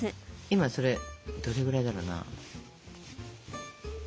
今それどれぐらいだろうな。